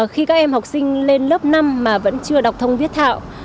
khi các em học sinh lên lớp năm mà vẫn chưa đọc thông viết thạo